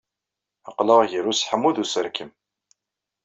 Aql-aɣ ger useḥmu d userkem